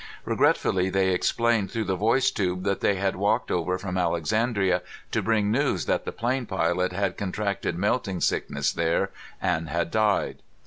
Regretfully, they explained through the voice tube that they had walked over from Alexandria to bring news that the plane pilot had contracted melting sickness there and had died.